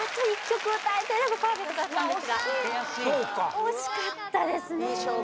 そうか惜しかったですね